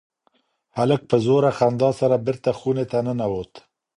هلک په زوره خندا سره بېرته خونې ته ننوت.